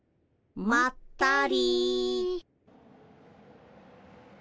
まったり。